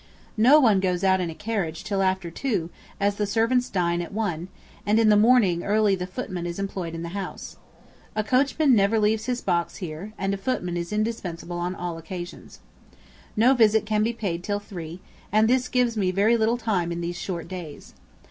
No one goes out in a carriage till after two, as the servants dine at one, and in the morning early the footman is employed in the house. A coachman never leaves his box here, and a footman is indispensable on all occasions. No visit can be paid till three; and this gives me very little time in these short days.